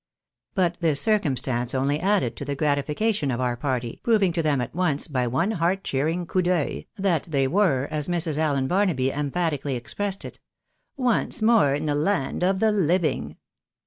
But this circumstance only added to the grati fication of our party, proving to them at once, by one heart cheer ing coiip d'oeil, that they were, as Mrs. Allen Barnaby empha tically expressed it, " Once more in the land of the living."